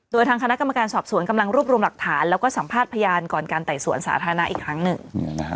โดยทางคณะกรรมการสอบสวนกำลังรวบรวมหลักฐานแล้วก็สัมภาษณ์พยานก่อนการไต่สวนสาธารณะอีกครั้งหนึ่ง